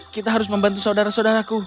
kita harus membantu saudara saudaraku